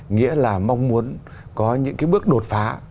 nghĩa là mong muốn có những bước đột phá